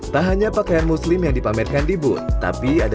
tak hanya pakaian muslim yang dipamerkan di bud